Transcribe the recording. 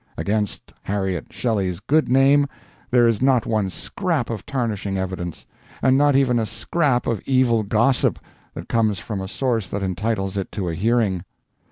Against Harriet Shelley's good name there is not one scrap of tarnishing evidence, and not even a scrap of evil gossip, that comes from a source that entitles it to a hearing.